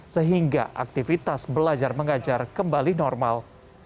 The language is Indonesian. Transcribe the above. sehingga aktivitas belajar mengajar kembali normal